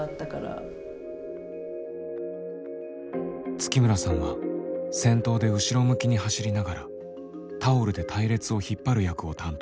月村さんは先頭で後ろ向きに走りながらタオルで隊列を引っ張る役を担当。